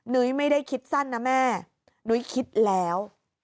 นุ้ยไม่ได้คิดสั้นนะแม่นุ้ยคิดแล้ว